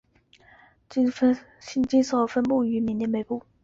缅甸金丝猴分布于缅甸北部。